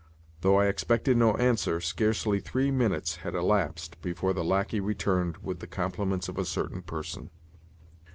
Though I expected no answer, scarcely three minutes had elapsed before the lacquey returned with "the compliments of a certain person."